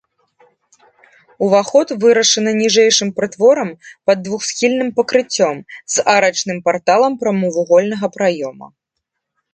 Уваход вырашаны ніжэйшым прытворам пад двухсхільным пакрыццём, з арачным парталам прамавугольнага праёма.